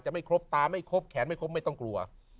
ไม่ครบตาไม่ครบแขนไม่ครบไม่ต้องกลัว